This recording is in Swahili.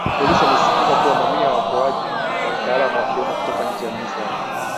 polisi wamesisitiza kuwa mamia ya waokowaji wa kitaalam wakiwemo kutoka nje ya new zealand